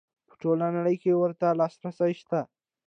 په ټوله نړۍ کې ورته لاسرسی شته.